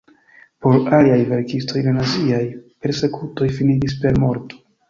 Por aliaj verkistoj la naziaj persekutoj finiĝis per morto.